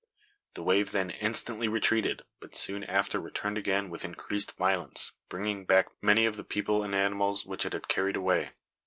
The wave then instantly retreated, but soon after returned again with increased violence, bringing back many of the people and animals which it had carried away.